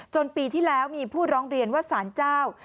ปีที่แล้วมีผู้ร้องเรียนว่าสารเจ้า